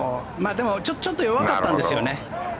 でもちょっと弱かったんですよね。